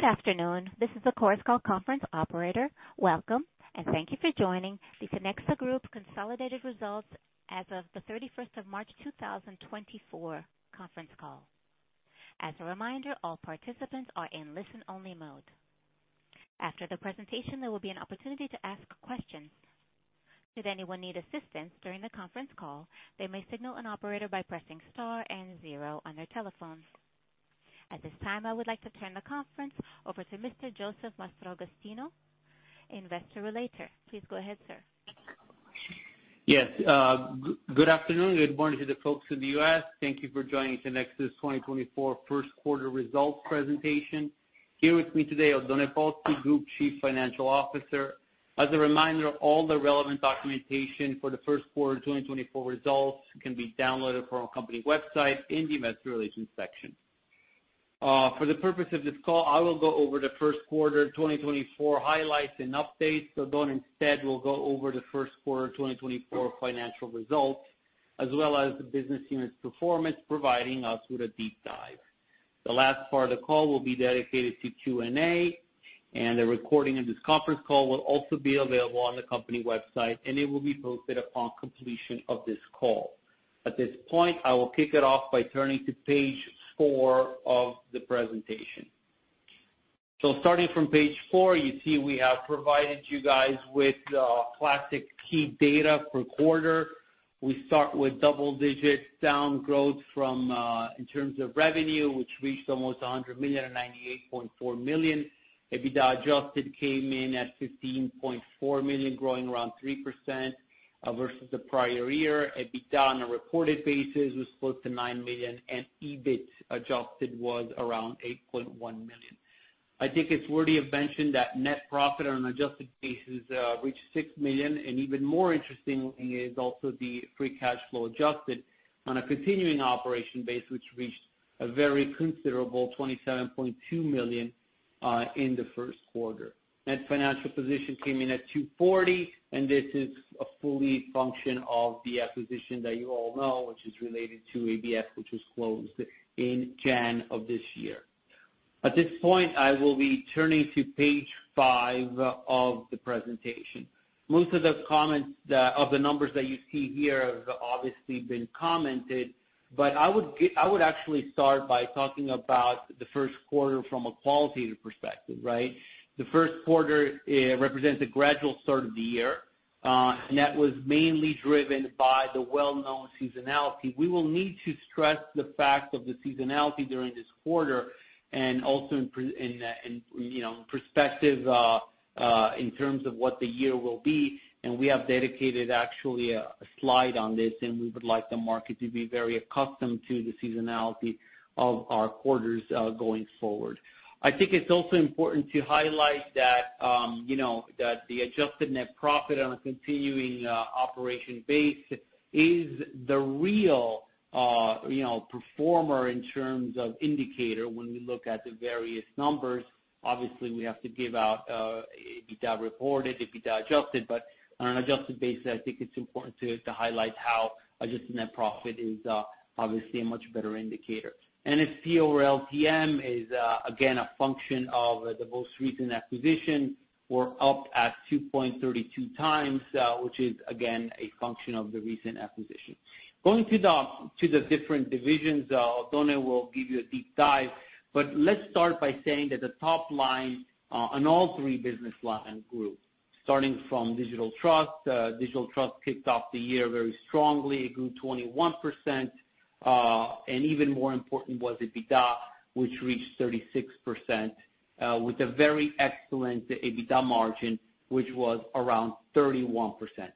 Good afternoon. This is the Chorus Call Conference Operator. Welcome, and thank you for joining the Tinexta Group Consolidated Results as of the 31st of March 2024 conference call. As a reminder, all participants are in listen-only mode. After the presentation, there will be an opportunity to ask questions. Should anyone need assistance during the conference call, they may signal an operator by pressing star and zero on their telephones. At this time, I would like to turn the conference over to Mr. Josef Mastragostino, Investor Relations. Please go ahead, sir. Yes, good afternoon. Good morning to the folks in the US. Thank you for joining Tinexta's 2024 Q1 results presentation. Here with me today, Oddone Pozzi, Group Chief Financial Officer. As a reminder, all the relevant documentation for the Q1 2024 results can be downloaded from our company website in the Investor Relations section. For the purpose of this call, I will go over the Q1 2024 highlights and updates. Oddone instead will go over the Q1 2024 financial results, as well as the business unit's performance, providing us with a deep dive. The last part of the call will be dedicated to Q&A, and a recording of this conference call will also be available on the company website, and it will be posted upon completion of this call. At this point, I will kick it off by turning to page 4 of the presentation. Starting from page 4, you see we have provided you guys with classic key data per quarter. We start with double digits down growth from in terms of revenue, which reached almost 198.4 million. EBITDA adjusted came in at 15.4 million, growing around 3% versus the prior year. EBITDA on a reported basis was close to 9 million, and EBIT adjusted was around 8.1 million. I think it's worthy of mention that net profit on an adjusted basis reached 6 million, and even more interesting is also the free cash flow adjusted on a continuing operation base, which reached a very considerable 27.2 million in the Q1. Net Financial Position came in at 240, and this is a function of the acquisition that you all know, which is related to ABF, which was closed in January of this year. At this point, I will be turning to page 5 of the presentation. Most of the comments of the numbers that you see here have obviously been commented, but I would actually start by talking about the Q1 from a qualitative perspective, right? The Q1 represents a gradual start of the year, and that was mainly driven by the well-known seasonality. We will need to stress the fact of the seasonality during this quarter and also. In perspective, in terms of what the year will be, and we have dedicated actually a slide on this, and we would like the market to be very accustomed to the seasonality of our quarters, going forward. I think it's also important to highlight that, you know, that the adjusted net profit on a continuing operations basis is the real, you know, performer in terms of indicator when we look at the various numbers. Obviously, we have to give out EBITDA reported, EBITDA adjusted, but on an adjusted basis, I think it's important to highlight how adjusted net profit is, obviously a much better indicator. NFP over LTM is, again, a function of the most recent acquisition. We're up at 2.32x, which is again, a function of the recent acquisition. Going to the different divisions, Oddone will give you a deep dive, but let's start by saying that the top line on all three business line grew. Starting from Digital Trust, Digital Trust kicked off the year very strongly. It grew 21%, and even more important was EBITDA, which reached 36%, with a very excellent EBITDA margin, which was around 31%.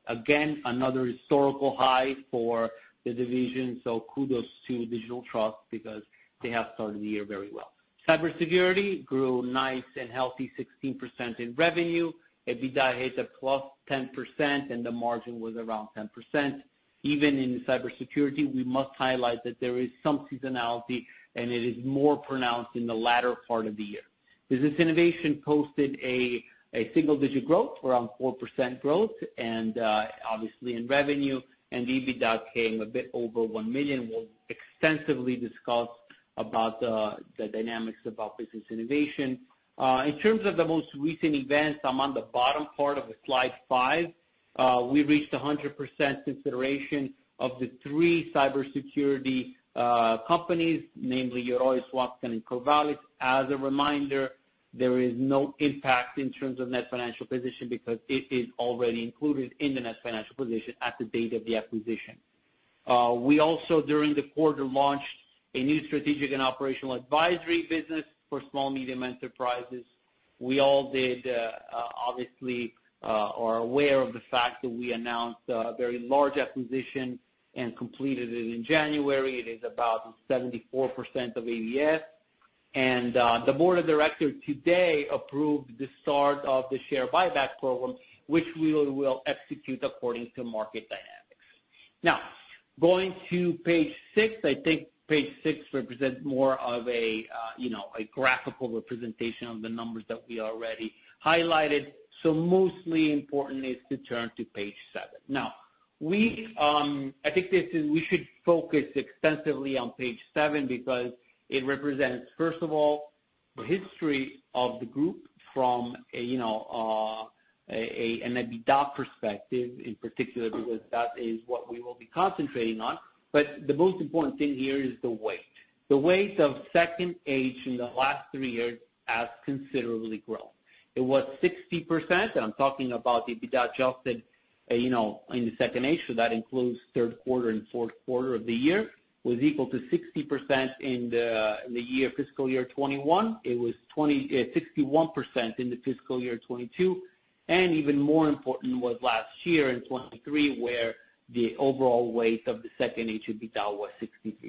Again, another historical high for the division, so kudos to Digital Trust because they have started the year very well. Cybersecurity grew nice and healthy, 16% in revenue. EBITDA hit a +10%, and the margin was around 10%. Even in cybersecurity, we must highlight that there is some seasonality, and it is more pronounced in the latter part of the year. Business Innovation posted a single-digit growth, around 4% growth, and obviously in revenue, and EBITDA came a bit over 1 million. We'll extensively discuss about the dynamics about business innovation. In terms of the most recent events, I'm on the bottom part of slide 5. We reached 100% consolidation of the three cybersecurity companies, namely Yoroi, Swascan, and Corvallis. As a reminder, there is no impact in terms of net financial position because it is already included in the net financial position at the date of the acquisition. We also, during the quarter, launched a new strategic and operational advisory business for small medium enterprises. We all, obviously, are aware of the fact that we announced a very large acquisition and completed it in January. It is about 74% of ABF, and the board of directors today approved the start of the share buyback program, which we will execute according to market dynamics. Now, going to page six. I think page six represents more of a, you know, a graphical representation of the numbers that we already highlighted. So mostly important is to turn to page seven. We, I think this is, we should focus extensively on page seven because it represents, first of all, the history of the group from a, you know, a, an EBITDA perspective, in particular, because that is what we will be concentrating on. But the most important thing here is the weight. The weight of second H in the last three years has considerably grown. It was 60%, I'm talking about the EBITDA adjusted, you know, in the second H, so that includes Q3 and Q4 of the year, was equal to 60% in the year, fiscal year 2021. It was 61% in the fiscal year 2022, and even more important was last year in 2023, where the overall weight of the second H EBITDA was 63%.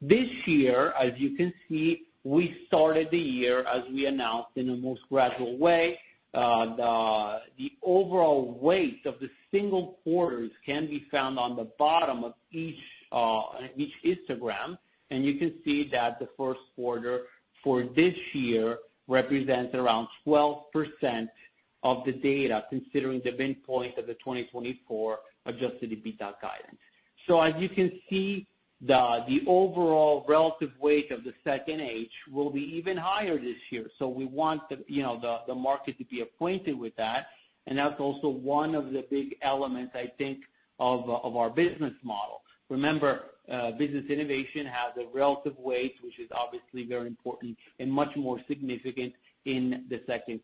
This year, as you can see, we started the year, as we announced, in a most gradual way. The overall weight of the single quarters can be found on the bottom of each histogram, and you can see that the Q1 for this year represents around 12% of the data, considering the midpoint of the 2024 adjusted EBITDA guidance. So as you can see, the overall relative weight of the second H will be even higher this year. So we want the, you know, the market to be acquainted with that, and that's also one of the big elements, I think, of our business model. Remember, business innovation has a relative weight, which is obviously very important and much more significant in the Q2,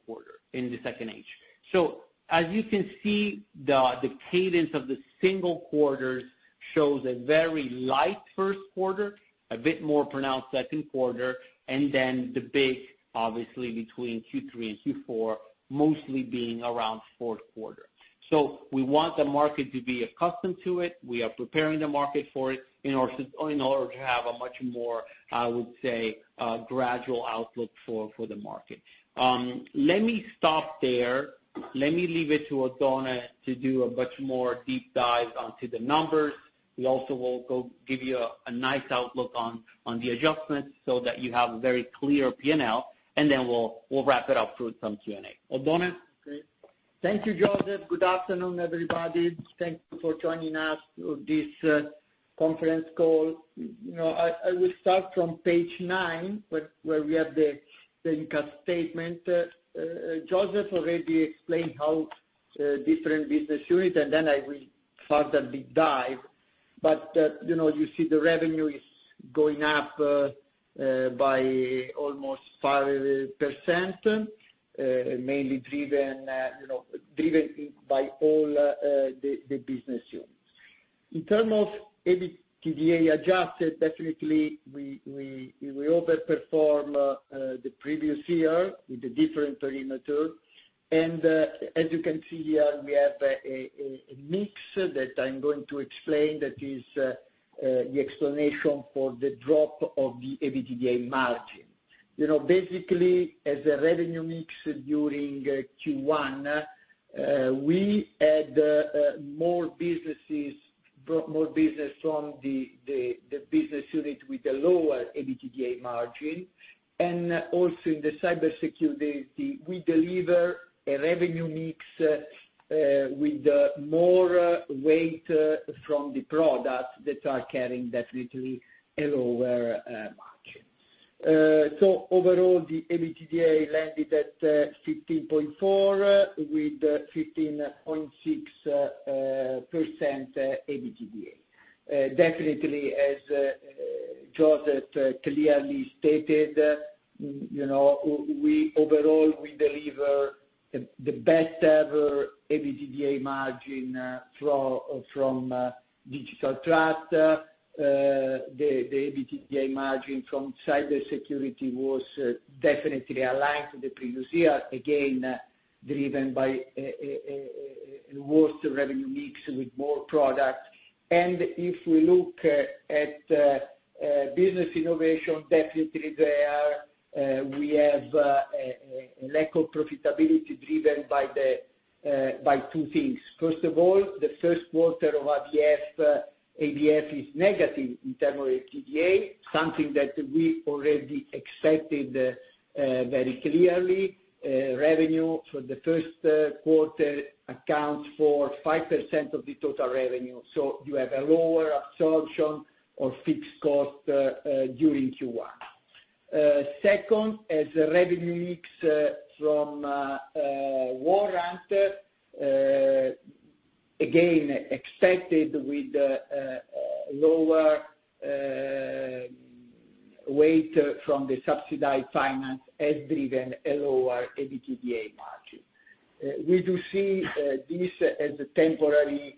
in the second H. So as you can see, the cadence of the single quarters shows a very light Q1, a bit more pronounced Q2, and then the big, obviously, between Q3 and Q4, mostly being around Q4. So we want the market to be accustomed to it. We are preparing the market for it, in order to have a much more, I would say, gradual outlook for the market. Let me stop there. Let me leave it to Aldona to do a much more deep dive onto the numbers. We also will go give you a nice outlook on the adjustments so that you have a very clear P&L, and then we'll wrap it up with some Q&A. Aldona? Okay. Thank you, Joseph. Good afternoon, everybody. Thank you for joining us for this conference call. You know, I will start from page nine, where we have the income statement. Joseph already explained how different business units, and then I will further deep dive. But, you know, you see the revenue is going up by almost 5%, mainly driven, you know, driven by all the business units. In terms of EBITDA adjusted, definitely we overperform the previous year with a different perimeter. And, as you can see here, we have a mix that I'm going to explain, that is the explanation for the drop of the EBITDA margin. You know, basically, as a revenue mix during Q1, we had more businesses brought more business from the business unit with a lower EBITDA margin. And also in the Cybersecurity, we deliver a revenue mix with more weight from the products that are carrying definitely a lower margin. So overall, the EBITDA landed at EUR 15.4, with 15.6% EBITDA. Definitely, as Josef clearly stated, you know, we overall we deliver the best ever EBITDA margin from Digital Trust. The EBITDA margin from Cybersecurity was definitely aligned to the previous year, again, driven by worse revenue mix with more products. If we look at Business Innovation, definitely there we have a lack of profitability driven by two things. First of all, the Q1 of ABF, ABF is negative in terms of EBITDA, something that we already expected very clearly. Revenue for the Q1 accounts for 5% of the total revenue, so you have a lower absorption of fixed cost during Q1. Second, as a revenue mix from Warrant Hub, again, expected with a lower weight from the subsidized finance has driven a lower EBITDA margin. We do see this as a temporary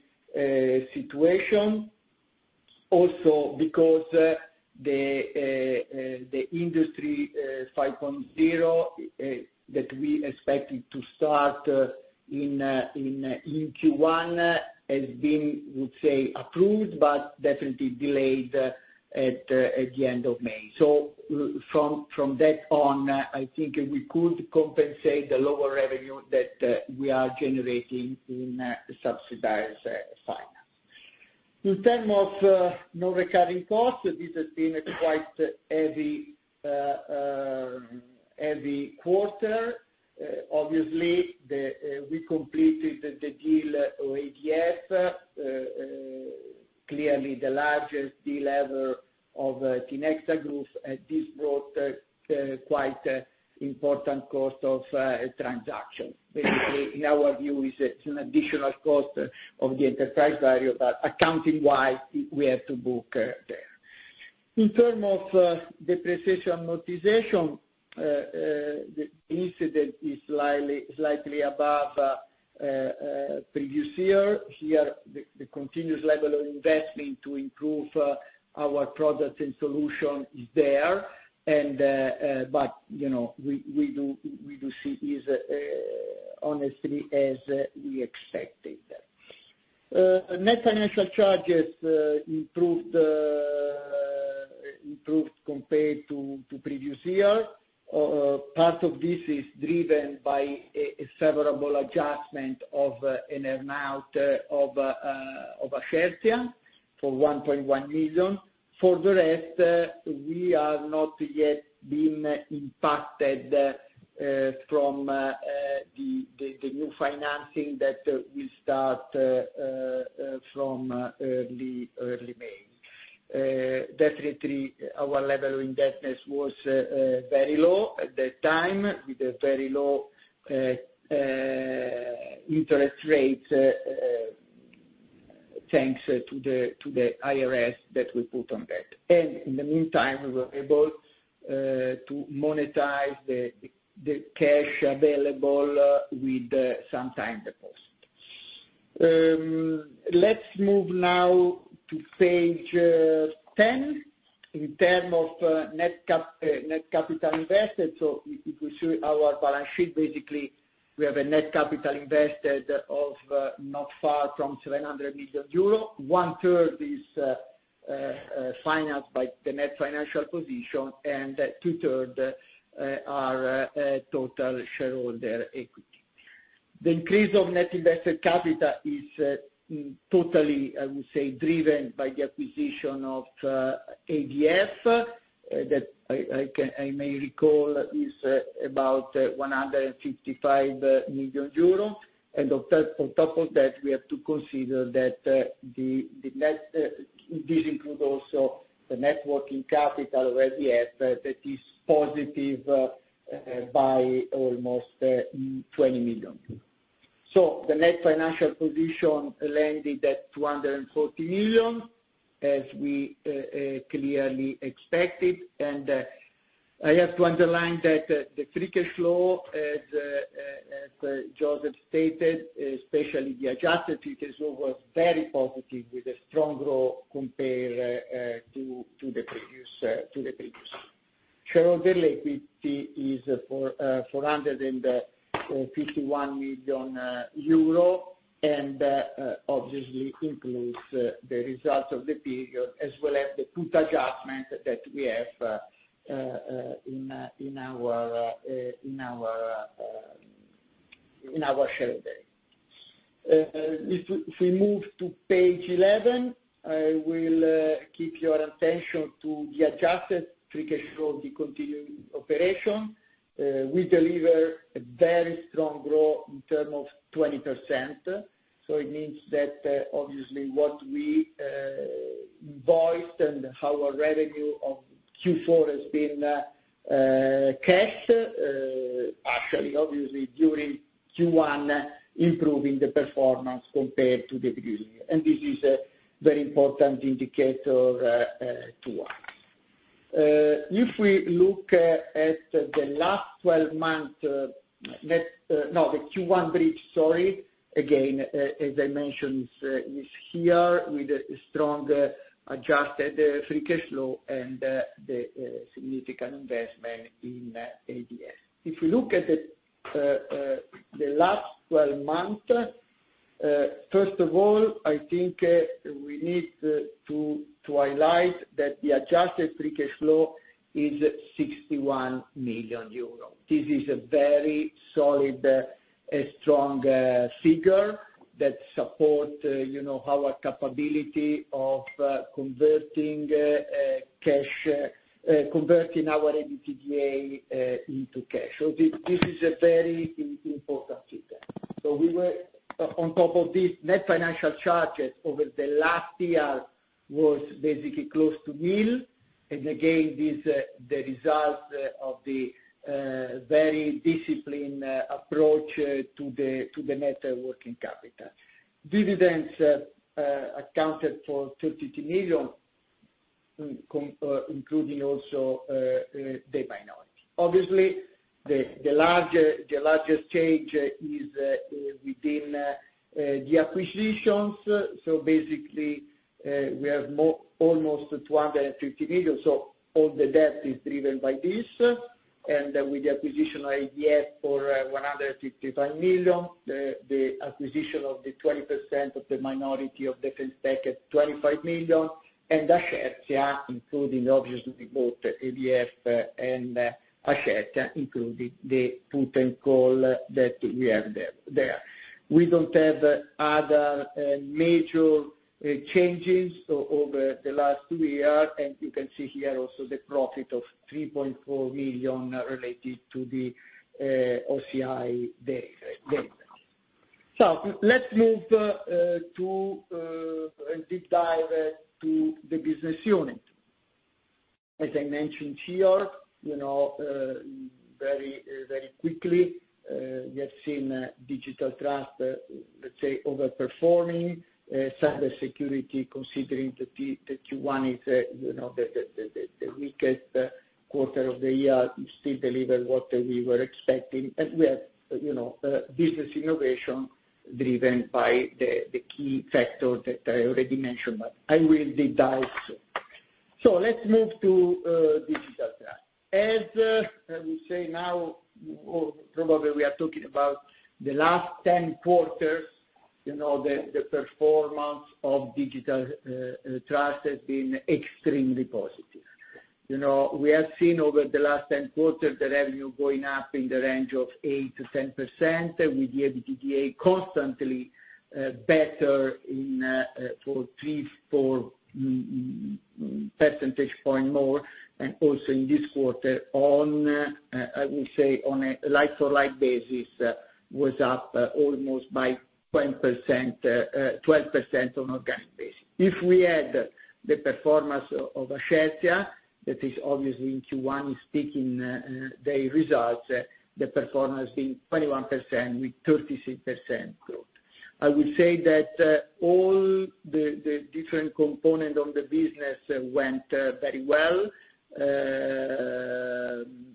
situation also because the Industry 5.0 that we expected to start in Q1 has been, we say, approved, but definitely delayed at the end of May. So from that on, I think we could compensate the lower revenue that we are generating in subsidized finance. In terms of non-recurring costs, this has been a quite heavy quarter. Obviously, we completed the deal with ABF, clearly the largest deal ever of Tinexta Group, and this brought quite an important cost of transaction. Basically, in our view, it's an additional cost of the enterprise value, but accounting-wise, we have to book there. In terms of depreciation amortization, the incident is slightly above previous year. Here, the continuous level of investment to improve our products and solutions is there, and, but, you know, we do see this honestly, as we expected. Net financial charges improved compared to previous year. Part of this is driven by a favourable adjustment of an amount of Ascertia for 1.1 million. For the rest, we are not yet being impacted from the new financing that will start from early May. Definitely, our level of indebtedness was very low at that time, with a very low interest rate, thanks to the IRS that we put on that. In the meantime, we were able to monetize the cash available with some time the cost. Let's move now to page 10. In terms of net cap, net capital invested, so if we see our balance sheet, basically, we have a net capital invested of not far from 700 million euro. One third is financed by the net financial position, and two thirds are total shareholder equity. The increase of net invested capital is totally, I would say, driven by the acquisition of ABF that I may recall is about 155 million euros. On top of that, we have to consider that this includes also the net working capital of ABF that is positive by almost 20 million. So the net financial position landed at 240 million, as we clearly expected. I have to underline that the free cash flow, as Joseph stated, especially the adjusted free cash flow, was very positive, with a strong growth compared to the previous. Shareholder equity is 451 million euro, and obviously includes the results of the period, as well as the put adjustment that we have in our shareholding. If we move to page 11, I will keep your attention to the adjusted free cash flow of the continuing operation. We deliver a very strong growth in term of 20%. So it means that, obviously, what we voiced and how our revenue of Q4 has been cashed, actually, obviously, during Q1, improving the performance compared to the previous year. And this is a very important indicator to us. If we look at the last twelve month, net-- no, the Q1 brief, sorry, again, as I mentioned, is here with a strong adjusted free cash flow and the significant investment in ADF. If you look at the last 12 months, first of all, I think we need to highlight that the adjusted free cash flow is 61 million euro. This is a very solid, a strong, figure that support, you know, our capability of converting our EBITDA into cash. So this, this is a very important figure. So we were on top of this, net financial charges over the last year was basically close to nil, and again, this the result of the very disciplined approach to the net working capital. Dividends accounted for 32 million, including also the minority. Obviously, the largest change is within the acquisitions. So basically, we have almost 250 million, so all the debt is driven by this. And with the acquisition of ABF for 155 million, the acquisition of the 20% of the minority of the FinTech at 25 million, and Ascertia, including obviously both ABF and Ascertia, including the put and call that we have there. We don't have other major changes over the last two years, and you can see here also the profit of 3.4 million related to the OCI data. So let's move to deep dive to the business unit. As I mentioned here, you know, very, very quickly, we have seen Digital Trust, let's say, overperforming cybersecurity, considering the Q1 is, you know, the weakest quarter of the year. We still deliver what we were expecting, and we have, you know, Business Innovation driven by the key factor that I already mentioned, but I will deep dive. So let's move to Digital Trust. As I would say now, or probably we are talking about the last Q10, you know, the performance of Digital Trust has been extremely positive. You know, we have seen over the last Q10, the revenue going up in the range of 8%-10%, with the EBITDA constantly better in for 3-4 percentage point more, and also in this quarter on, I would say on a like-to-like basis, was up almost by 20%, 12% on organic basis. If we add the performance of Ascertia, that is obviously in Q1, speaking, the results, the performance being 21% with 36% growth. I will say that, all the different component of the business went very well.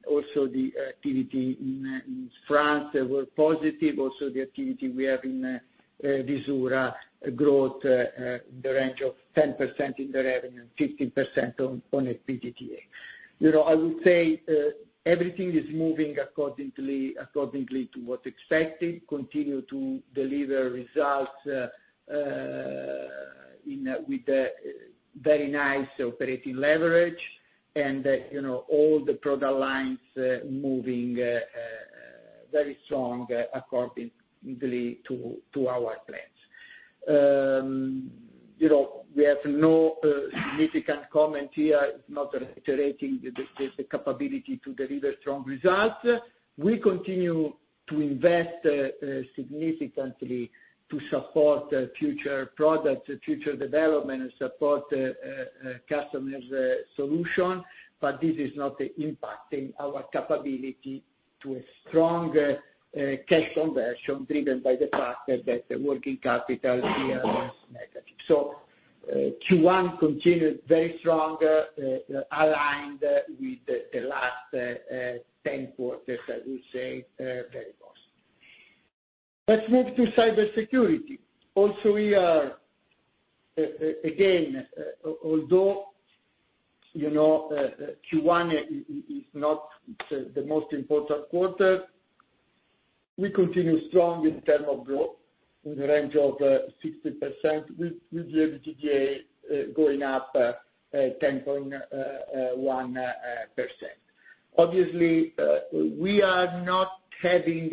Also the activity in France were positive. Also, the activity we have in Visura growth in the range of 10% in the revenue, 15% on EBITDA. You know, I would say, everything is moving accordingly, accordingly to what's expected, continue to deliver results, in, with a very nice operating leverage and, you know, all the product lines, moving, very strong, accordingly to, to our plans. You know, we have no, significant comment here, not reiterating the, the capability to deliver strong results. We continue to invest, significantly to support future products, future development, and support, customers solution, but this is not impacting our capability to a strong, cash conversion, driven by the fact that the working capital here is negative. So, Q1 continued very strong, aligned with the, the last Q10, I would say, very positive. Let's move to cybersecurity. Also, we are again, although, you know, Q1 is not the most important quarter, we continue strong in terms of growth in the range of 60% with the EBITDA going up 10.1%. Obviously, we are not having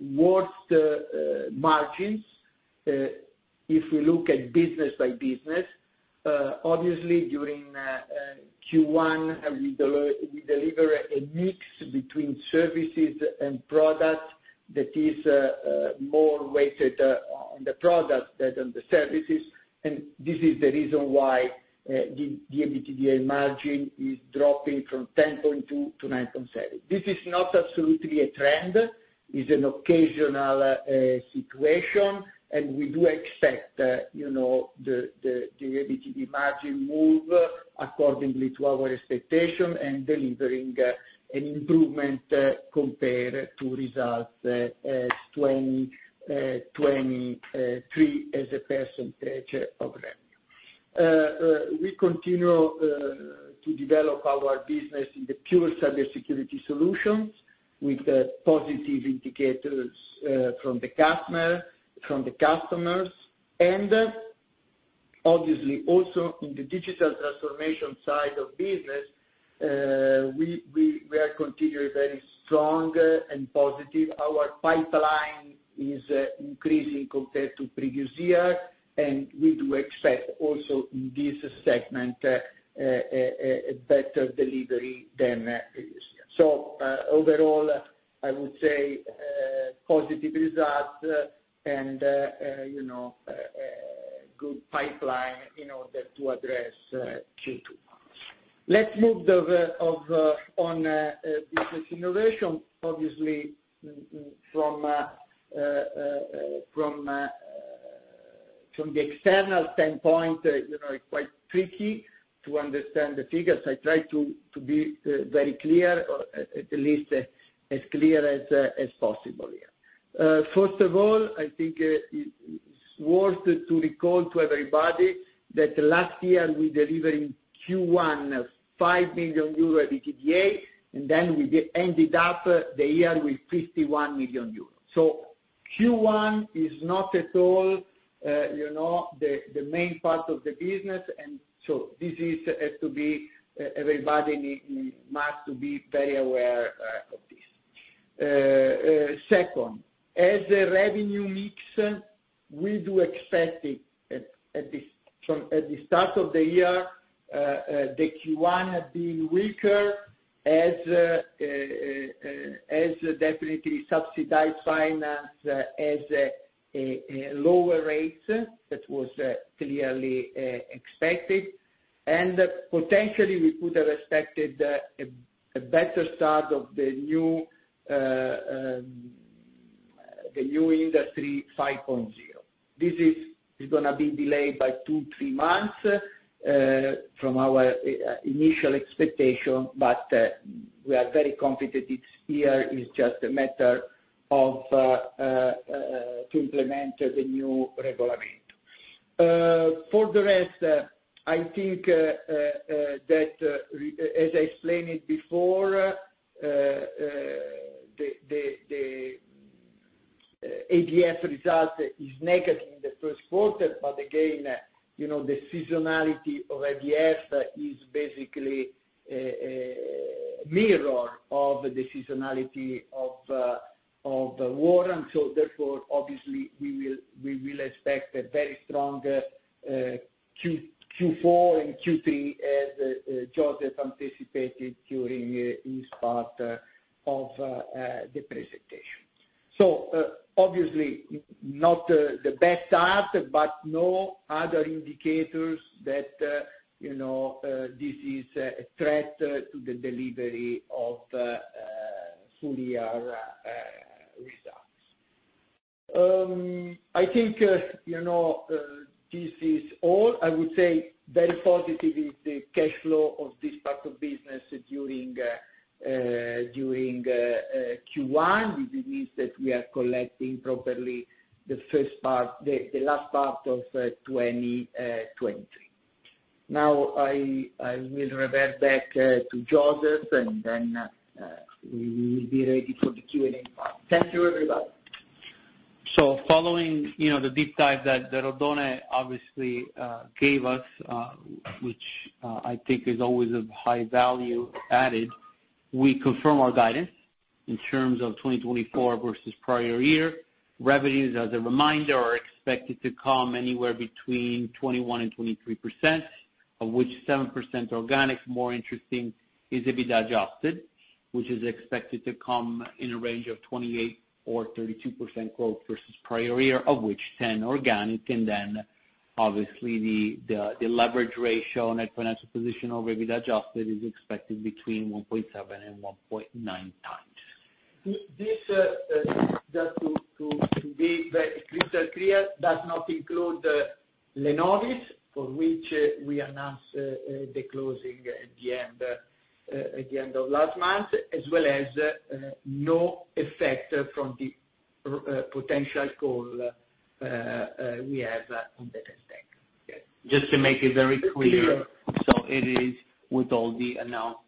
worse margins if we look at business by business. Obviously, during Q1, we deliver a mix between services and products that is more weighted on the product than on the services, and this is the reason why the EBITDA margin is dropping from 10.2 to 9.7. This is not absolutely a trend. It's an occasional situation, and we do expect, you know, the EBITDA margin move accordingly to our expectation and delivering an improvement compared to results 2023 as a percentage of revenue. We continue to develop our business in the pure cybersecurity solutions with the positive indicators from the customer, from the customers, and obviously also in the digital transformation side of business, we are continuing very strong and positive. Our pipeline is increasing compared to previous year, and we do expect also in this segment a better delivery than previous year. So, overall, I would say positive results and you know good pipeline in order to address Q2. Let's move on to business innovation. Obviously, from the external standpoint, you know, it's quite tricky to understand the figures. I try to be very clear, or at least as clear as possible here. First of all, I think it's worth to recall to everybody that last year we deliver in Q1, 5 million euro EBITDA, and then we ended up the year with 51 million euro. Q1 is not at all, you know, the main part of the business, and so this is has to be everybody must to be very aware of this. Second, as a revenue mix, we do expect it at this from at the start of the year, the Q1 being weaker as definitely subsidized finance has a lower rate that was clearly expected. And potentially we could have expected a better start of the new the new Industry 5.0. This is gonna be delayed by 2-3 months from our initial expectation, but we are very competitive. This year is just a matter of to implement the new regolamento. For the rest, I think that as I explained it before, the ADF result is negative in the Q1, but again, you know, the seasonality of ADF is basically mirror of the seasonality of the year. And so therefore, obviously, we will expect a very strong Q4 and Q3 as Joseph anticipated during his part of the presentations. So, obviously, not the best start, but no other indicators that, you know, this is a threat to the delivery of full year results. I think, you know, this is all. I would say very positive is the cash flow of this part of business during Q1. This means that we are collecting properly the first part, the last part of 2020. Now, I will revert back to Joseph, and then we will be ready for the Q&A part. Thank you, everybody. So following, you know, the deep dive that Oddone obviously gave us, which I think is always of high value added, we confirm our guidance in terms of 2024 versus prior year. Revenues, as a reminder, are expected to come anywhere between 21%-23%, of which 7% organic, more interesting, is EBITDA adjusted, which is expected to come in a range of 28%-32% growth versus prior year, of which 10% organic, and then obviously the leverage ratio, net financial position over EBITDA adjusted, is expected between 1.7x and 1.9x. This, just to be very crystal clear, does not include Lenovys, for which we announced the closing at the end of last month, as well as no effect from the potential call we have on that bank. Okay. Just to make it very clear. So it is with all the announced,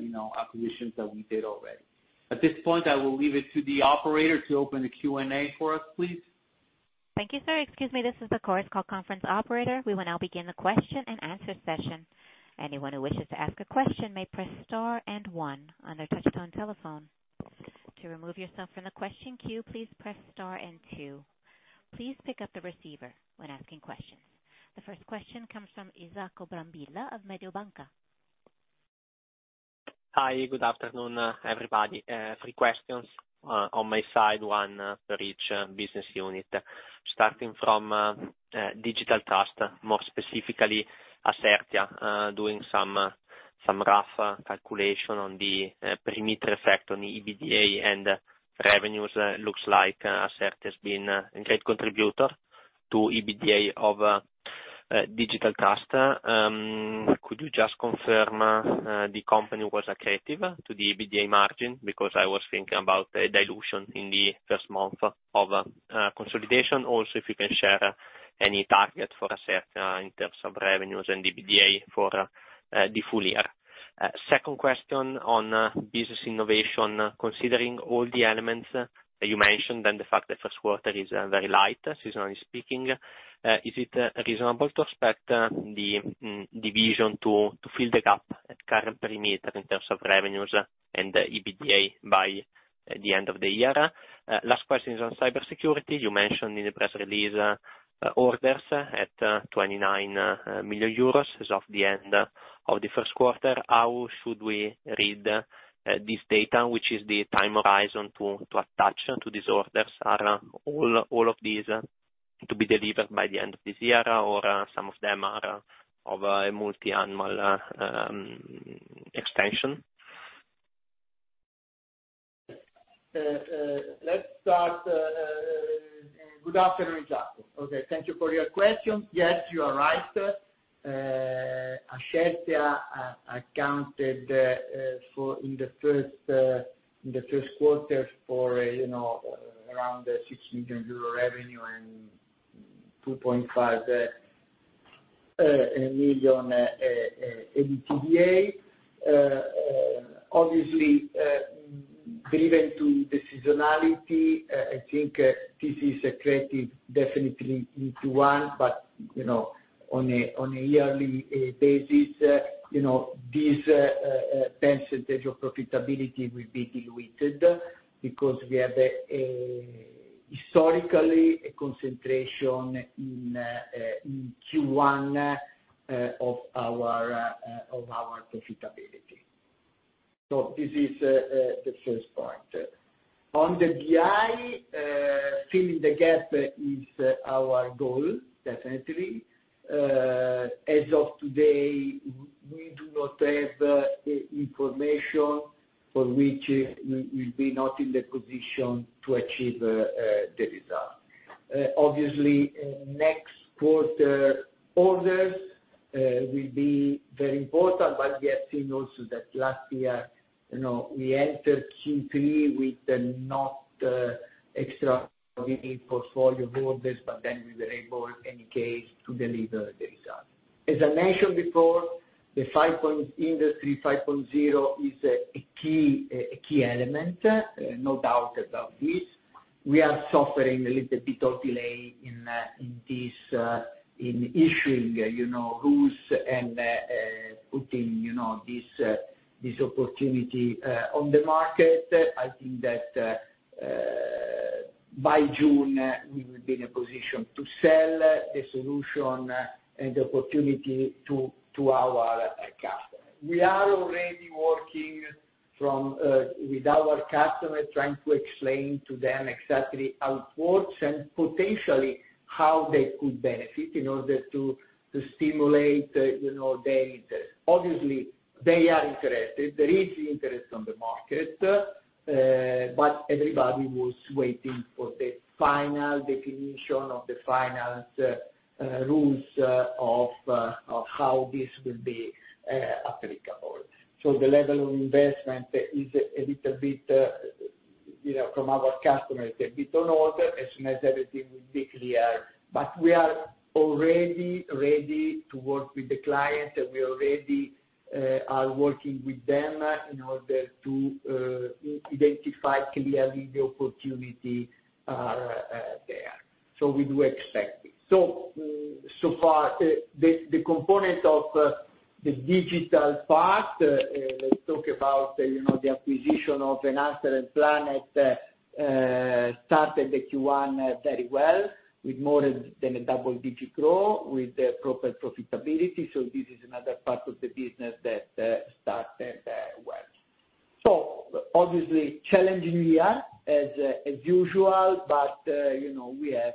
you know, acquisitions that we did already. At this point, I will leave it to the operator to open the Q&A for us, please. Thank you, sir. Excuse me, this is the Chorus Call Conference operator. We will now begin the question and answer session. Anyone who wishes to ask a question may press star and one on their touchtone telephone. To remove yourself from the question queue, please press star and two. Please pick up the receiver when asking questions. The first question comes from Isacco Brambilla of Mediobanca. Hi, good afternoon, everybody. Three questions on my side, one for each business unit. Starting from Digital Trust, more specifically, Ascertia, doing some rough calculation on the perimeter effect on the EBITDA and revenues. Looks like Ascertia has been a great contributor to EBITDA of Digital Trust. Could you just confirm the company was accretive to the EBITDA margin? Because I was thinking about a dilution in the first month of consolidation. Also, if you can share any target for Ascertia in terms of revenues and EBITDA for the full year. Second question on Business Innovation. Considering all the elements you mentioned, and the fact that Q1 is very light, seasonally speaking, is it reasonable to expect the division to fill the gap at current perimeter in terms of revenues and the EBITDA by the end of the year? Last question is on cybersecurity. You mentioned in the press release orders at 29 million euros as of the end of the Q1. How should we read this data? Which is the time horizon to attach to these orders? Are all of these to be delivered by the end of this year, or some of them are of a multi-annual extension? Good afternoon, Isaac. Okay, thank you for your question. Yes, you are right. Ascertia accounted for in the Q1 for, you know, around 6 million euro revenue, and 2.5 million EBITDA. Obviously, driven to the seasonality, I think, this is accretive definitely Q1, but, you know, on a yearly basis, you know, this percentage of profitability will be diluted because we have, historically, a concentration in Q1 of our profitability. So this is the first point. On the BI, filling the gap is our goal, definitely. As of today, we do not have information for which we will be not in the position to achieve the result. Obviously, next quarter orders will be very important, but we have seen also that last year, you know, we entered Q3 with not extra portfolio orders, but then we were able, in any case, to deliver the result. As I mentioned before, the Industry 5.0 is a key element, no doubt about this. We are suffering a little bit of delay in issuing, you know, rules and putting, you know, this opportunity on the market. I think that by June, we will be in a position to sell the solution and the opportunity to our customer. We are already working from, with our customers, trying to explain to them exactly how it works and potentially how they could benefit in order to, to stimulate, you know, their interest. Obviously, they are interested. There is interest on the market, but everybody was waiting for the final definition of the final, rules, of, of how this will be, applicable. So the level of investment is a little bit, you know, from our customers, a bit on order as soon as everything will be clear. But we are already ready to work with the client, and we already, are working with them in order to, identify clearly the opportunity, there. So we do expect it. So far, the component of the digital part, let's talk about, you know, the acquisition of ABF and Plannet, started in Q1 very well with more than a double-digit growth with the proper profitability, so this is another part of the business that started well. So obviously, challenging year as usual, but you know, we have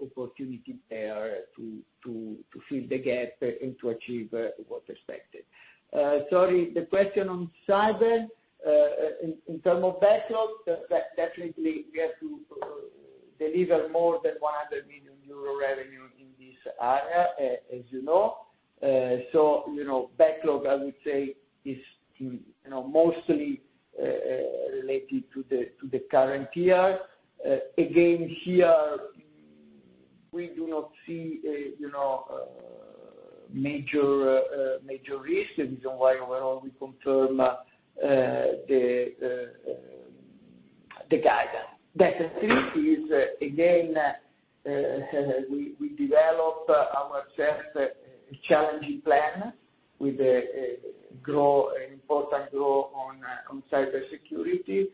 opportunity there to fill the gap and to achieve what's expected. Sorry, the question on cyber, in terms of backlog, definitely we have to deliver more than 100 million euro revenue in this area, as you know. So, you know, backlog, I would say, is, you know, mostly related to the current year. Again, here, we do not see a, you know, major, major risk. The reason why, overall, we confirm the guidance. That is, again, we develop ourself challenging plan with a grow, an important grow on cybersecurity.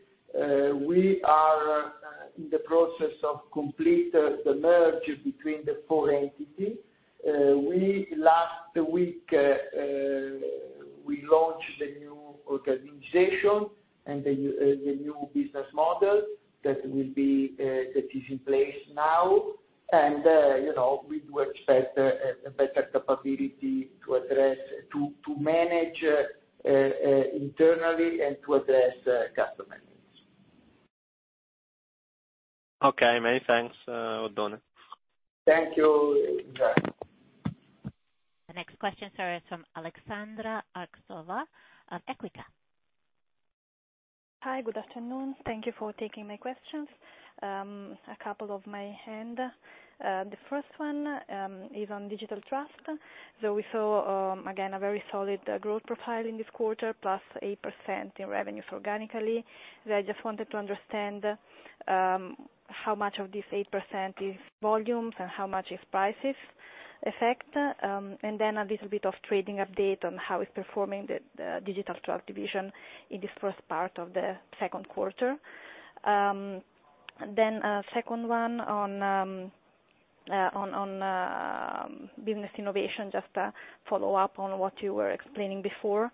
We are in the process of complete the merge between the four entity. We last week launched the new organization and the new business model that is in place now. And, you know, we do expect a better capability to address, to, to manage internally and to address customer needs. Okay, many thanks, Oddone. Thank you. The next question, sir, is from Aleksandra Arsova of Equita. Hi. Good afternoon. Thank you for taking my questions. A couple of my hand. The first one is on Digital Trust. So we saw again a very solid growth profile in this quarter, +8% in revenues organically. So I just wanted to understand how much of this 8% is volumes and how much is prices effect? And then a little bit of trading update on how it's performing the Digital Trust division in this first part of the Q2. Then second one on Business Innovation, just follow up on what you were explaining before.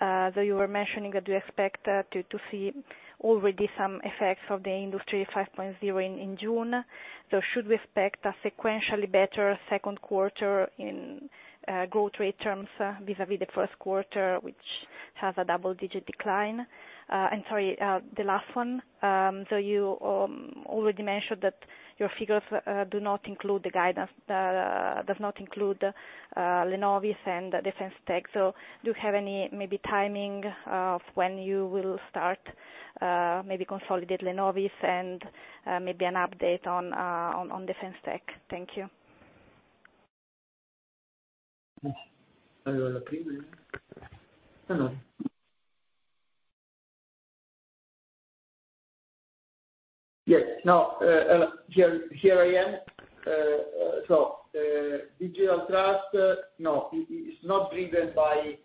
So you were mentioning that you expect to see already some effects of the Industry 5.0 in June. So should we expect a sequentially better Q2 in growth rate terms vis-a-vis the Q1, which has a double-digit decline? And sorry, the last one, so you already mentioned that your figures do not include the guidance, does not include Lenovys and Defence Tech. So do you have any maybe timing of when you will start maybe consolidate Lenovys and maybe an update on on on Defence Tech? Thank you. Yes. No, here I am. So, digital trust, no, it, it's not driven by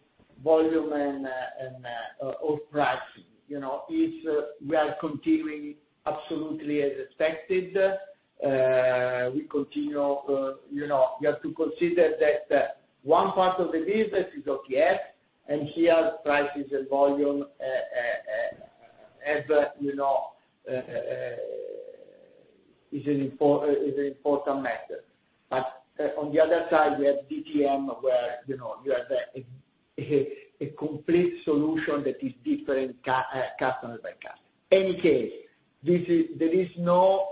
volume and, and, or price. You know, it's, we are continuing absolutely as expected. We continue, you know, you have to consider that, one part of the business is OKF, and here, price is a volume, as, you know, is an important matter. But, on the other side, we have DTM, where, you know, you have a, a, a complete solution that is different customer by customer. Any case, there is no,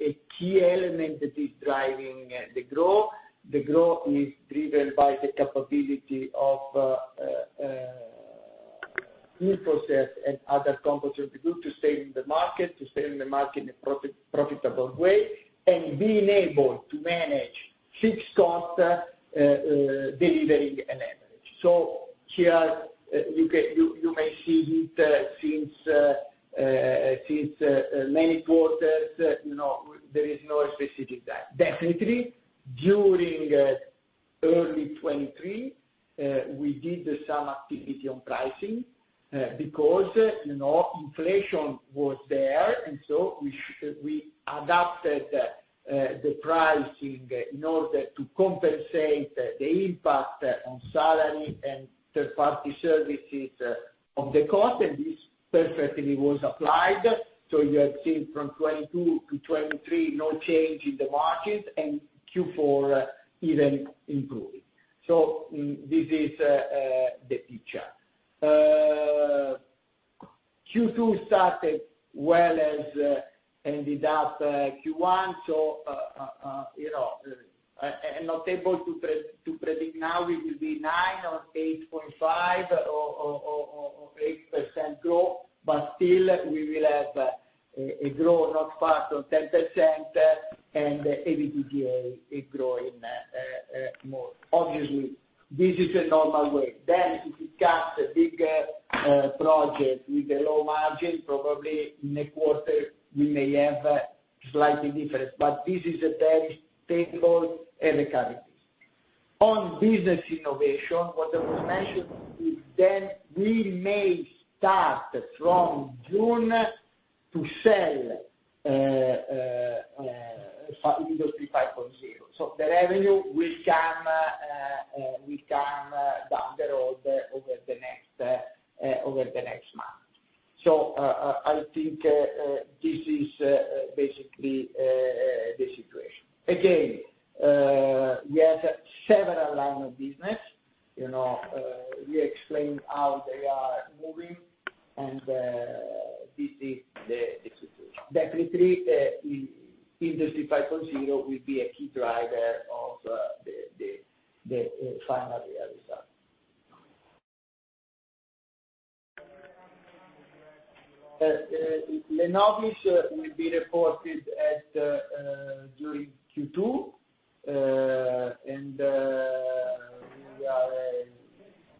a key element that is driving, the growth. The growth is driven by the capability of InfoCert and other companies of the group to stay in the market, to stay in the market in a profitable way, and being able to manage fixed cost, delivering an average. So here, you may see it, since many quarters, you know, there is no specific that. Definitely, during early 2023, we did some activity on pricing, because, you know, inflation was there, and so we adapted the pricing in order to compensate the impact on salary and third-party services of the cost, and this perfectly was applied. So you have seen from 2022-2023, no change in the market, and Q4 even improving. So this is the picture. Q2 started well, as ended up Q1, so you know, and not able to predict now, it will be 9 or 8.5 or 8% growth, but still, we will have a growth not far from 10%, and EBITDA is growing more. Obviously, this is a normal way. Then if you get a bigger project with a low margin, probably next quarter, we may have a slightly different, but this is a very stable and recovery. On Business Innovation, what was mentioned is then we may start from June to sell Industry 5.0. So the revenue will come will come down the road over the next over the next month. I think this is basically the situation. Again, we have several lines of business, you know, we explained how they are moving, and this is the situation. Definitely, Industry 5.0 will be a key driver of the final result. Lenovys will be reported during Q2, and we are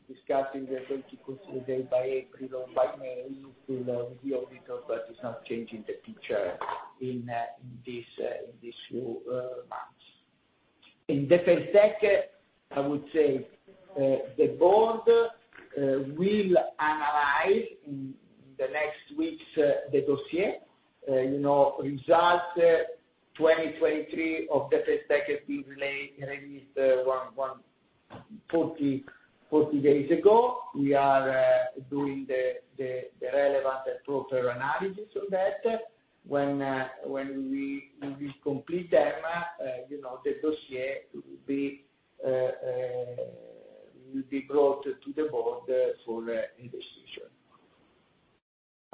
discussing the technical day by April or by May with the auditor, but it's not changing the picture in these few months. In Defense Tech, I would say, the board will analyze in the next weeks the dossier. You know, 2023 results of Defense Tech being released 140 days ago. We are doing the relevant and proper analysis on that. When we complete them, you know, the dossier will be brought to the board for a decision.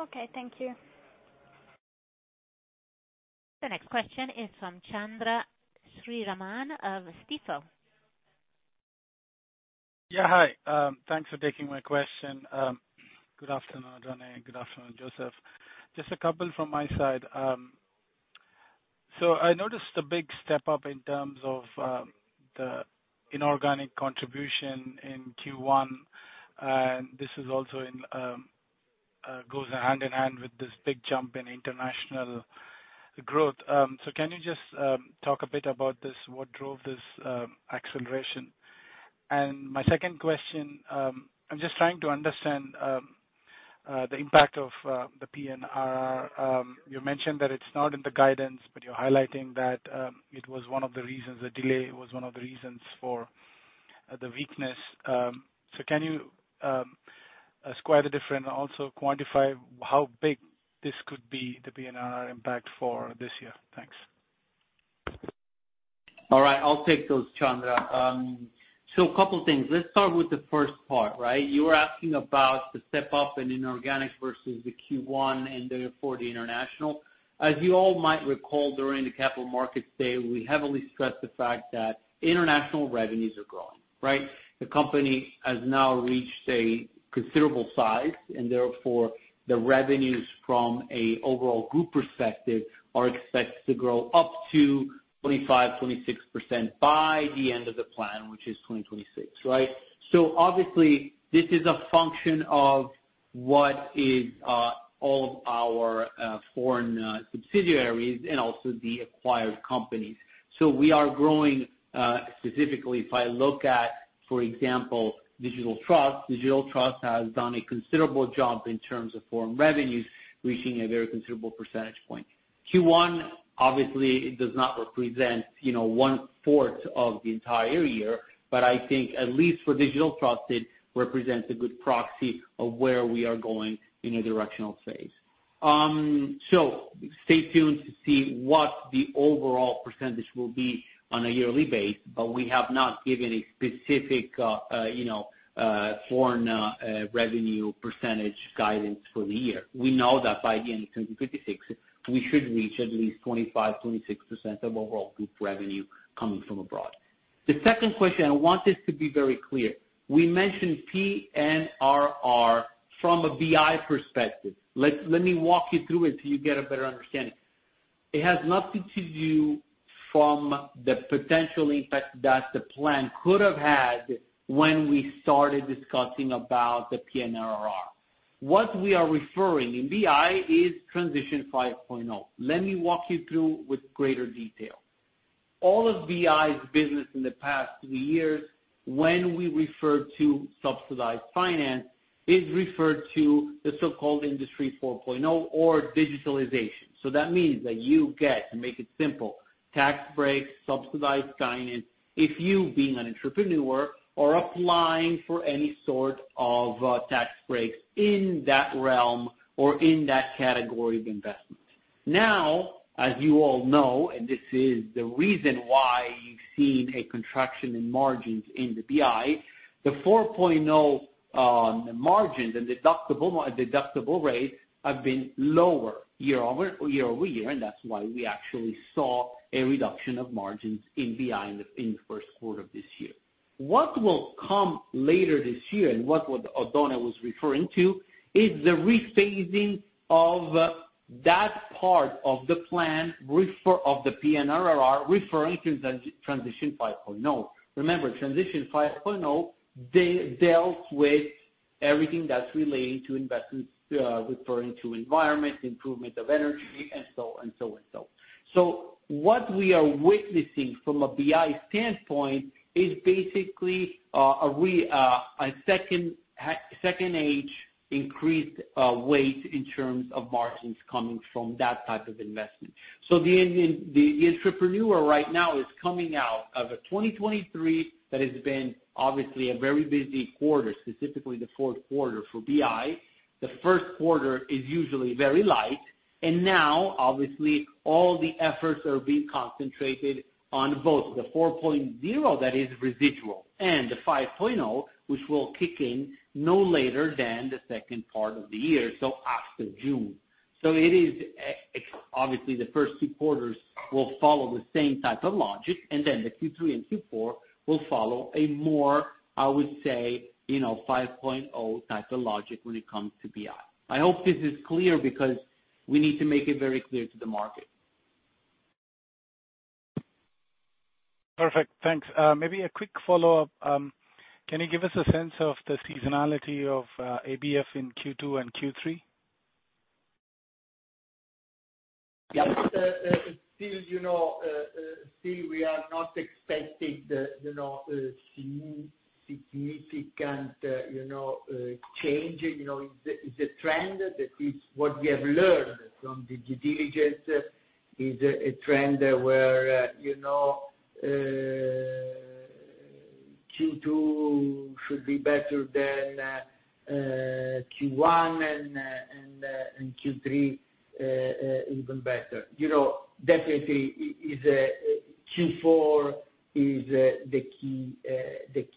Okay, thank you. The next question is from Chandra Sriraman of Stifel. Yeah, hi. Thanks for taking my question. Good afternoon, Rene. Good afternoon, Joseph. Just a couple from my side. So I noticed a big step up in terms of, the inorganic contribution in Q1, and this is also in, goes hand in hand with this big jump in international growth. So can you just, talk a bit about this, what drove this, acceleration? And my second question, I'm just trying to understand, the impact of, the PNR. You mentioned that it's not in the guidance, but you're highlighting that, it was one of the reasons, the delay was one of the reasons for the weakness. So can you, square the difference, and also quantify how big this could be, the PNR impact for this year? Thanks. All right, I'll take those, Chandra. So couple things. Let's start with the first part, right? You were asking about the step up in inorganic versus the Q1 and therefore the international. As you all might recall, during the Capital Markets Day, we heavily stressed the fact that international revenues are growing, right? The company has now reached a considerable size, and therefore, the revenues from a overall group perspective are expected to grow up to 25%-26% by the end of the plan, which is 2026, right? So obviously, this is a function of what is all of our foreign subsidiaries and also the acquired companies. So we are growing specifically, if I look at, for example, Digital Trust. Digital Trust has done a considerable job in terms of foreign revenues, reaching a very considerable percentage point. Q1 obviously does not represent, you know, one fourth of the entire year, but I think at least for Digital Trust, it represents a good proxy of where we are going in a directional phase. So stay tuned to see what the overall percentage will be on a yearly base, but we have not given a specific, you know, foreign revenue percentage guidance for the year. We know that by the end of 2026, we should reach at least 25-26% of overall group revenue coming from abroad. The second question, I want this to be very clear. We mentioned PNRR from a BI perspective. Let me walk you through it till you get a better understanding. It has nothing to do from the potential impact that the plan could have had when we started discussing about the PNRR. What we are referring in BI is Transition 5.0. Let me walk you through with greater detail. All of BI's business in the past three years, when we refer to subsidized finance, is referred to the so-called Industry 4.0 or digitalization. So that means that you get, to make it simple, tax breaks, subsidized finance, if you, being an entrepreneur, are applying for any sort of tax breaks in that realm or in that category of investment. Now, as you all know, and this is the reason why you've seen a contraction in margins in the BI, the 4.0 margins and deductible rates have been lower year-over-year, and that's why we actually saw a reduction of margins in BI in the first quarter of this year. What will come later this year, and what O’Donnell was referring to, is the rephasing of that part of the plan of the PNRR, referring to Transition 5.0. Remember, Transition 5.0, dealt with everything that's relating to investments, referring to environment, improvement of energy, and so and so and so. So what we are witnessing from a BI standpoint is basically a second-half increased weight in terms of margins coming from that type of investment. So the entrepreneur right now is coming out of a 2023 that has been obviously a very busy quarter, specifically the Q4 for BI. The Q1 is usually very light, and now, obviously, all the efforts are being concentrated on both the 4.0, that is residual, and the 5.0, which will kick in no later than the second part of the year, so after June. So it is, obviously, the first two quarter will follow the same type of logic, and then the Q3 and Q4 will follow a more, I would say, you know, 5.0 type of logic when it comes to BI. I hope this is clear, because we need to make it very clear to the market. Perfect. Thanks. Maybe a quick follow-up. Can you give us a sense of the seasonality of ABF in Q2 and Q3? Yeah. Still, you know, still we are not expecting the, you know, significant, you know, change. You know, it's a, it's a trend that is what we have learned from the due diligence, is a trend where, you know, Q2 should be better than Q1 and Q3 even better. You know, definitely is Q4 is the key element.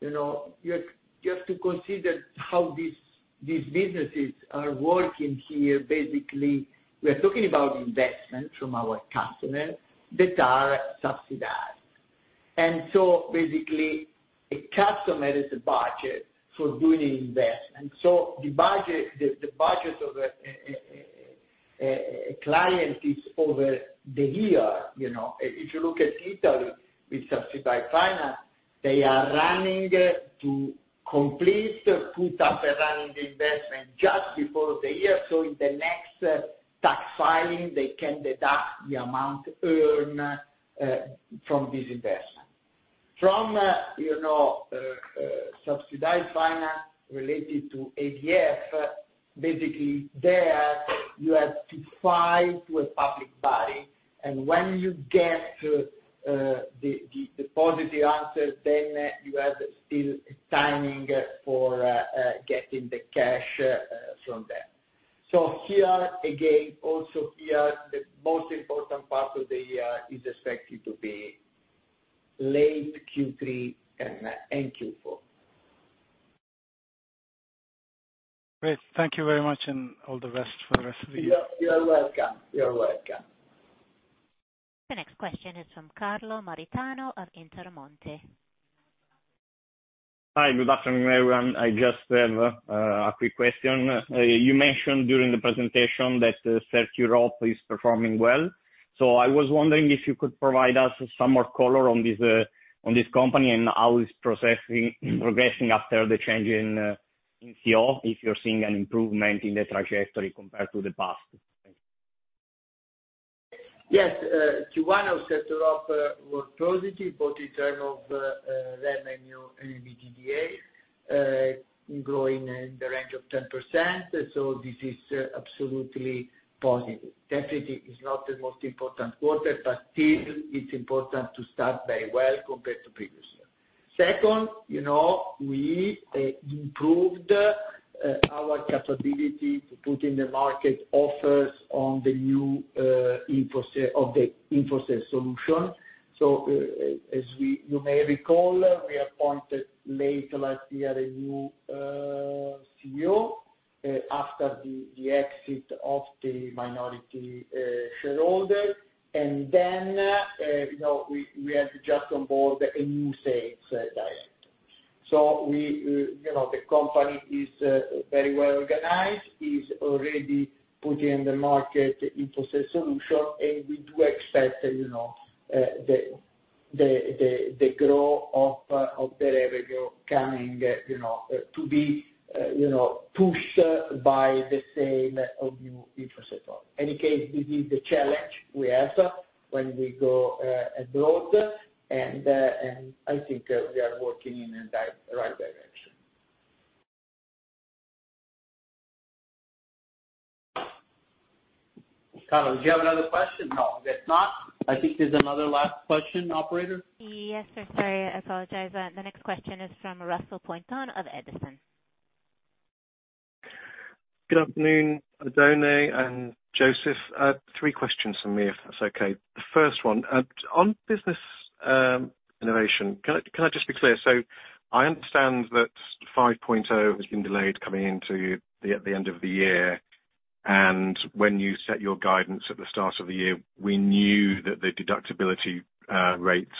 You know, you have to consider how these businesses are working here. Basically, we're talking about investment from our customers that are subsidized. And so basically, a customer has a budget for doing investment. So the budget of a client is over the year, you know. If you look at Italy, with subsidized finance, they are running to complete, put up a running investment just before the year, so in the next tax filing, they can deduct the amount earned from this investment. From, you know, subsidized finance related to ABF, basically there, you have to fight with public body, and when you get the positive answer, then you have still timing for getting the cash from them. So here, again, also here, the most important part of the year is expected to be late Q3 and Q4. Great. Thank you very much and all the best for the rest of the year. You're welcome. You're welcome. The next question is from Carlo Maritano of Intermonte. Hi, good afternoon, everyone. I just have a quick question. You mentioned during the presentation that CertEurope is performing well. So I was wondering if you could provide us some more color on this company and how it's progressing after the change in CEO, if you're seeing an improvement in the trajectory compared to the past? Yes, Q1 of 2024 were positive, both in term of revenue and EBITDA, growing in the range of 10%. So this is absolutely positive. Definitely, it's not the most important quarter, but still it's important to start very well compared to previous year. Second, you know, we improved our capability to put in the market offers on the new InfoSec solution. So, as you may recall, we appointed late last year a new CEO after the exit of the minority shareholder. And then, you know, we had just on board a new sales director. So we, you know, the company is very well organized, is already putting in the market InfoSec solution, and we do expect, you know, the growth of the revenue coming, you know, to be, you know, pushed by the sale of new InfoSec. Any case, this is the challenge we have when we go abroad, and I think we are working in a right direction. Carlo, do you have another question? No, if not, I think there's another last question, operator. Yes, sir. Sorry, I apologize. The next question is from Russell Pointon of Edison. Good afternoon, Oddone and Josef. Three questions from me, if that's okay. The first one on Business Innovation, can I just be clear? So I understand that 5.0 has been delayed coming into the at the end of the year, and when you set your guidance at the start of the year, we knew that the deductibility rates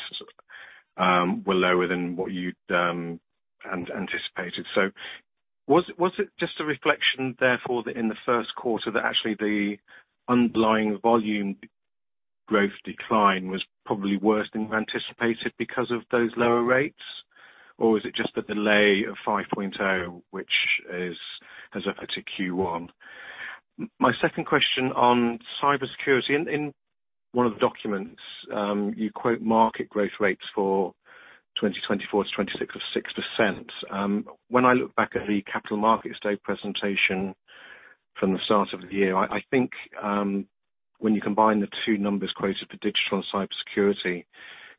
were lower than what you'd anticipated. So was it just a reflection, therefore, that in the first quarter, that actually the underlying volume growth decline was probably worse than anticipated because of those lower rates? Or was it just a delay of 5.0, which has affected Q1? My second question on Cybersecurity. In one of the documents, you quote market growth rates for 2024-2026 of 6%. When I look back at the Capital Markets Day presentation from the start of the year, I think, when you combine the two numbers quoted for digital and cybersecurity,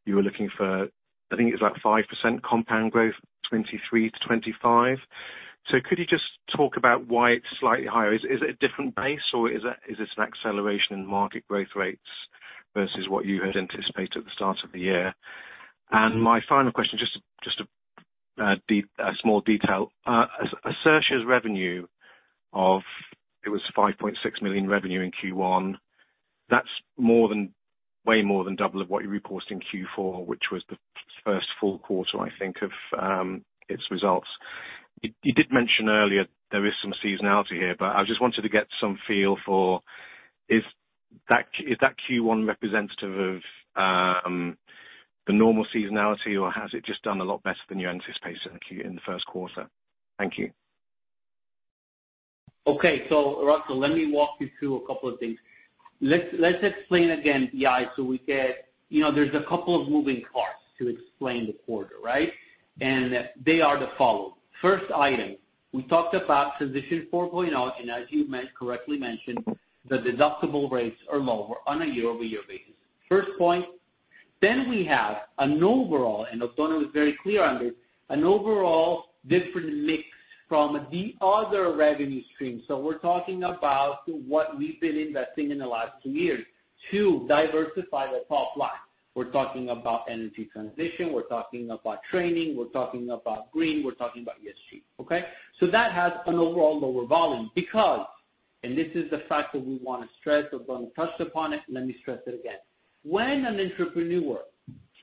you were looking for, I think it was like 5% compound growth, 2023-2025. So could you just talk about why it's slightly higher? Is it a different base, or is this an acceleration in market growth rates versus what you had anticipated at the start of the year? And my final question, just a small detail. Ascertia's revenue of... it was 5.6 million revenue in Q1. That's more than, way more than double of what you reported in Q4, which was the first full quarter, I think, of its results. You, you did mention earlier there is some seasonality here, but I just wanted to get some feel for is that Q1 representative of the normal seasonality, or has it just done a lot better than you anticipated in the first quarter? Thank you. Okay. So, Russell, let me walk you through a couple of things. Let's, let's explain again, AI, so we get. You know, there's a couple of moving parts to explain the quarter, right? And they are the following. First item, we talked about transition 4.0, and as you mentioned correctly, the deductible rates are lower on a year-over-year basis. First point, then we have an overall, and Oddone was very clear on this, an overall different mix from the other revenue streams. So we're talking about what we've been investing in the last 2 years to diversify the top line. We're talking about energy transition, we're talking about training, we're talking about green, we're talking about ESG, okay? So that has an overall lower volume, because, and this is the fact that we want to stress, Oddone touched upon it, let me stress it again. When an entrepreneur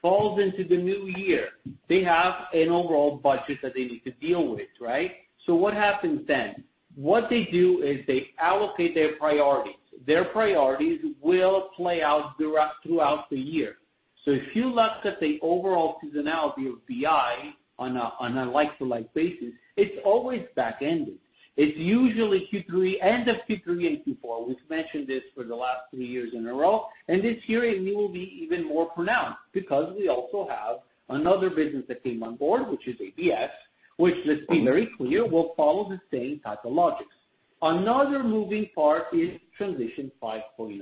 falls into the new year, they have an overall budget that they need to deal with, right? So what happens then? What they do is they allocate their priorities. Their priorities will play out throughout, throughout the year. So if you look at the overall seasonality of BI on a like-to-like basis, it's always back-ended. It's usually Q3, end of Q3 and Q4. We've mentioned this for the last three years in a row, and this year it will be even more pronounced, because we also have another business that came on board, which is ABF, which, let's be very clear, will follow the same type of logics. Another moving part is Transition 5.0.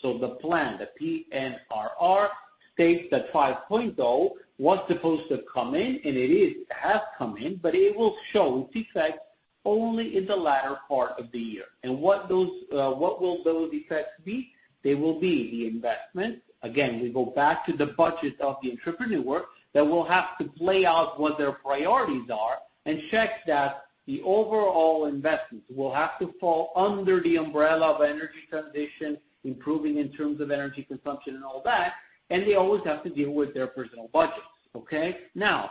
So the plan, the PNRR, states that 5.0 was supposed to come in, and it is, it has come in, but it will show its effects only in the latter part of the year. And what those, what will those effects be? They will be the investment. Again, we go back to the budget of the entrepreneur, that will have to play out what their priorities are and check that the overall investment will have to fall under the umbrella of energy transition, improving in terms of energy consumption and all that, and they always have to deal with their personal budgets, okay? Now,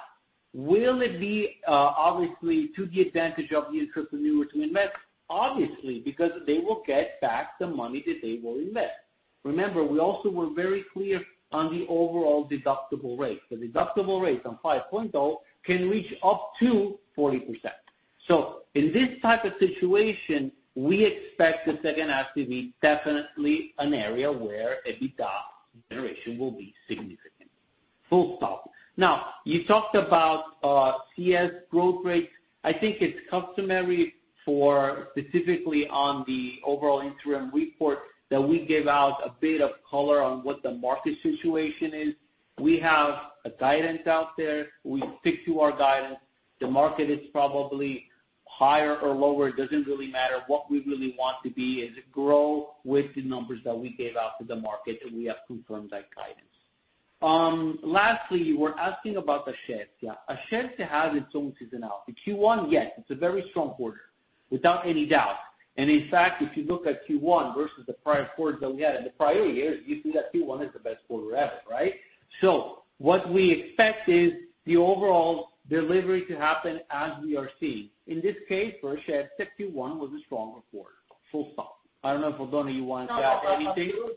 will it be, obviously, to the advantage of the entrepreneur to invest? Obviously, because they will get back the money that they will invest. Remember, we also were very clear on the overall deductible rate. The deductible rate on 5.0 can reach up to 40%. So in this type of situation, we expect the second half to be definitely an area where EBITDA generation will be significant. Full stop. Now, you talked about CS growth rate. I think it's customary for specifically on the overall interim report, that we give out a bit of color on what the market situation is. We have a guidance out there. We stick to our guidance. The market is probably higher or lower. It doesn't really matter. What we really want to be is grow with the numbers that we gave out to the market, and we have confirmed that guidance. Lastly, you were asking about Ascertia. Ascertia has its own seasonality. Q1, yes, it's a very strong quarter, without any doubt. In fact, if you look at Q1 versus the prior quarters that we had in the prior years, you see that Q1 is the best quarter ever, right? So what we expect is the overall delivery to happen as we are seeing. In this case, for Ascertia, Q1 was a strong quarter. Full stop. I don't know if, Antonio, you want to add anything? No,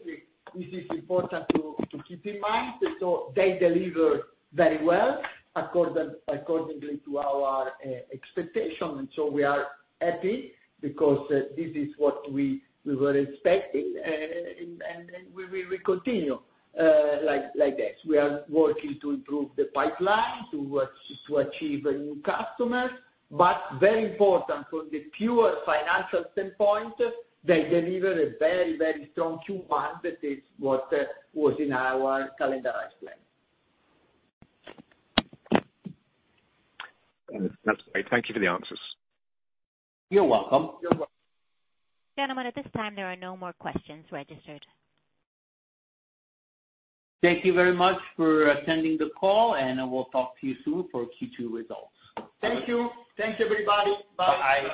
this is important to keep in mind. So they delivered very well, accordingly to our expectation, and so we are happy because this is what we were expecting. And we will continue like this. We are working to improve the pipeline, to achieve new customers, but very important from the pure financial standpoint, they delivered a very, very strong Q1. That is what was in our calendarized plan. That's great. Thank you for the answers. You're welcome. Gentlemen, at this time, there are no more questions registered. Thank you very much for attending the call, and I will talk to you soon for Q2 results. Thank you. Thanks, everybody. Bye.